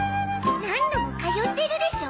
何度も通ってるでしょ？